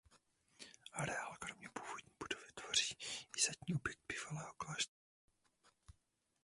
Areál kromě původní budovy tvoří i zadní objekt bývalého kláštera.